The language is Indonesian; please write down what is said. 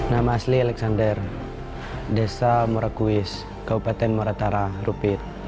nama asli alexander desa murakuis kabupaten muratara rupit